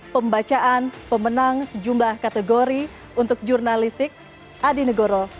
pembacaan pemenang sejumlah kategori untuk jurnalistik adi negoro